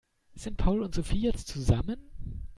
Sind Paul und Sophie jetzt zusammen?